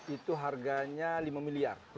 itu harganya lima miliar